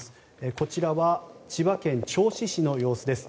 こちら千葉県銚子市の様子です。